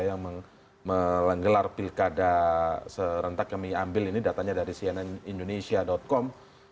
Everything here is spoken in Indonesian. yang menggelar pilkada serentak kami ambil ini datanya dari cnnindonesia com